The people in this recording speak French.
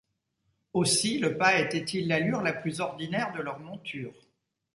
Aussi le pas était-il l’allure la plus ordinaire de leurs montures.